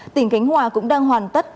tỉnh khánh hòa cũng đang hoàn tất